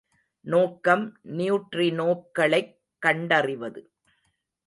நோக்கம் நியூட்ரினோக்களைக் கண்டறிவது.